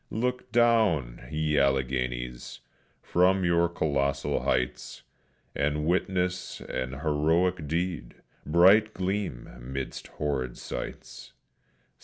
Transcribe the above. Look down, ye Alleghenies, from your colossal heights, And witness an heroic deed, bright gleam 'midst horrid sights.